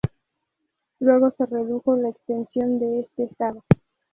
Luego se redujo la extensión de este Estado.